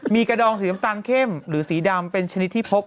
มีกระดองสีน้ำตาลเข้มหรือสีดำเป็นชนิดที่พบ